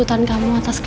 dan ke capek